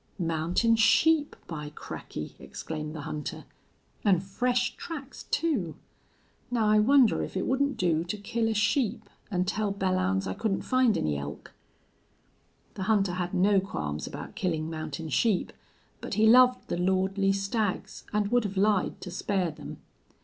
"Mountain sheep, by cracky!" exclaimed the hunter. "An' fresh tracks, too!... Now I wonder if it wouldn't do to kill a sheep an' tell Belllounds I couldn't find any elk." The hunter had no qualms about killing mountain sheep, but he loved the lordly stags and would have lied to spare them.